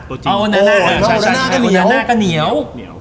โอนานะคะเหนียว